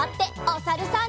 おさるさん。